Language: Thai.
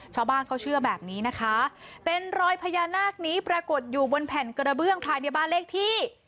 ชาวบ้านเขาเชื่อแบบนี้นะคะเป็นรอยพญานาคนี้ปรากฏอยู่บนแผ่นกระเบื้องภายในบ้านเลขที่